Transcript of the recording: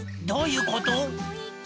どういうこと！？